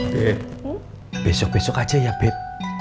beb besok besok aja ya beb